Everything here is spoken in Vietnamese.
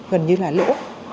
gần như là lỗ